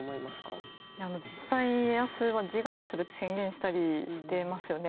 実際家康は自害するって宣言したりしてますよね